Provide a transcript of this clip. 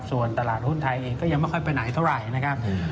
ส่วนตลาดหุ้นไทยเองก็ยังไม่ค่อยไปไหนเท่าไหร่นะครับ